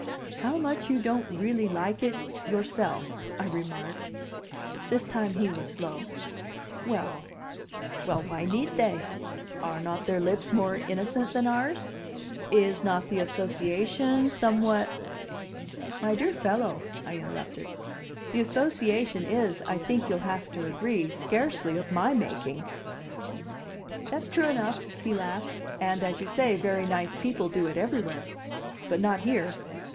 "How much you don't 'really like it' yourself!" I remarked. This time he was slow. "Well well why need they? Are not their lips more innocent than ours? Is not the association somewhat ?" "My dear fellow," I interrupted, "the association is, I think you'll have to agree, scarcely of my making!" "That's true enough," he laughed. "And, as you say, very nice people do it everywhere. But not here.